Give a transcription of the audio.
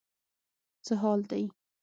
څه حال دی.